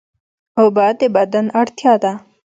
اوبه د بدن اړتیا ده